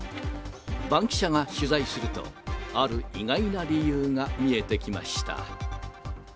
バンキシャが取材すると、ある意外な理由が見えてきました。